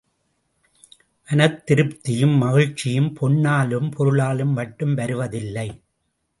மனதிருப்தியும் மகிழ்ச்சியும், பொன்னாலும் பொருளாலும் மட்டும் வருவதில்லை.